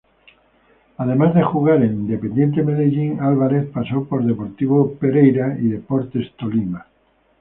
Además de jugar en Independiente Medellín, Álvarez pasó por Deportivo Pereira y Deportes Tolima.